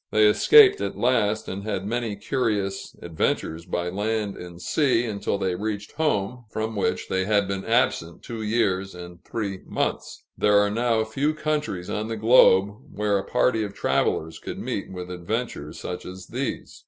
They escaped at last, and had many curious adventures by land and sea, until they reached home, from which they had been absent two years and three months. There are now few countries on the globe where a party of travelers could meet with adventures such as these.